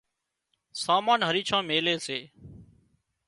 سامان هريڇان ميلي سي